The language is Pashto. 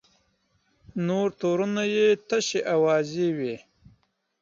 نور تورونه یې تشې اوازې وې.